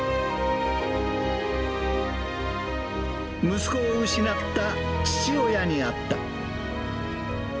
息子を失った父親に会った。